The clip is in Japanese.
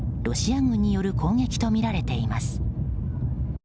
ロシア軍による攻撃とみられています。